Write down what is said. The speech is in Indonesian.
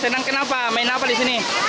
senang kenapa main apa di sini